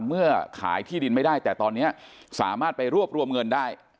เมื่อขายที่ดินไม่ได้แต่ตอนนี้สามารถไปรวบรวมเงินได้